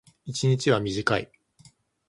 一日は短い。